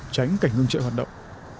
tránh cảnh ngưng trợ hoạt động